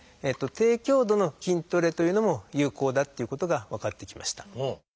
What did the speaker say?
低強度の筋トレというのも有効だっていうことが分かってきました。